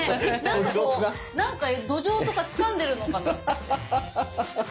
なんかこうどじょうとかつかんでるのかな？